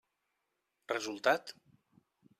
Resultat?